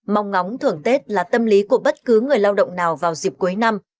mong ngóng thưởng tết là tâm lý của bất cứ người lao động nào vào dịp cuối năm